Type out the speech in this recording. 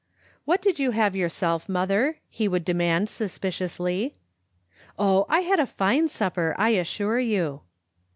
" What did you have yourself, mother?" he would de mand suspiciously. " Oh, I had a fine supper, I assure you."